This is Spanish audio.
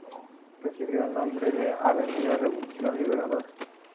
Recibió el nombre de Avenida Revolución Libertadora.